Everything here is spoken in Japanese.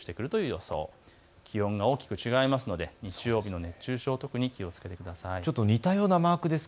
気温が大きく違いますので日曜日の熱中症、特に気をつけてください。